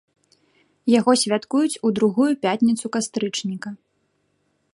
Яго святкуюць у другую пятніцу кастрычніка.